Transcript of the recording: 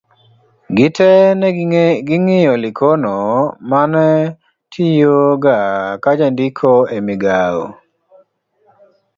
gite ne ging'iyo Likono mane tiyo ka ka jandiko e migawo